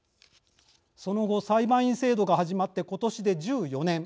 その後、裁判員制度が始まって今年で１４年。